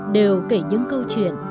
đều kể những câu chuyện